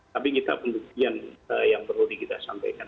tapi kita penelitian yang perlu kita sampaikan